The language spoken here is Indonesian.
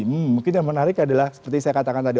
hmm mungkin yang menarik adalah seperti saya katakan tadi